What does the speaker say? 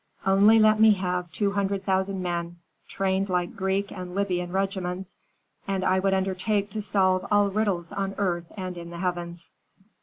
Only let me have two hundred thousand men, trained like Greek and Libyan regiments, and I would undertake to solve all riddles on earth and in the heavens."